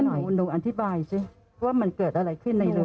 หนูอธิบายสิว่ามันเกิดอะไรขึ้นในรถ